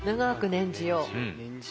念じよう。